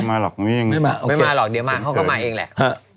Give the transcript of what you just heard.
ไม่มาหรอกไม่มาหรอกเดี๋ยวเขาก็มาเองแหละ